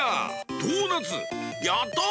ドーナツやった！